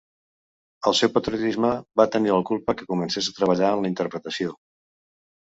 El seu patriotisme va tenir la culpa que comences a treballar en la interpretació.